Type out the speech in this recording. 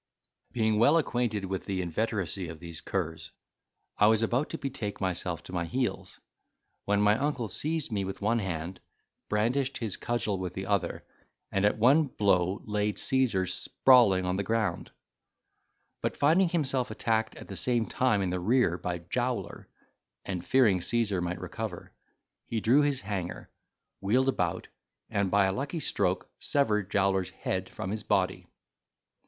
Being well acquainted with the inveteracy of these curs, I was about to betake myself to my heels, when my uncle seized me with one hand, brandished his cudgel with the other, and at one blow laid Caesar sprawling on the ground; but, finding himself attacked at the same time in the rear by Jowler, and fearing Caesar might recover, he drew his hanger, wheeled about, and by a lucky stroke severed Jowler's head from his body.